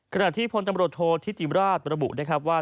ขณะที่พลตำรวจโทรทิศจิมราชบรบบุว่า